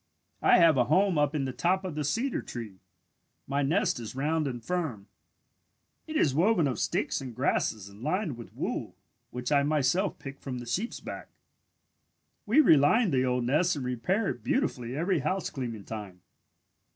"I have a home up in the top of the cedar tree. My nest is round and firm. It is woven of sticks and grasses and lined with wool which I myself pick from the sheep's back. "We reline the old nest and repair it beautifully every housecleaning time.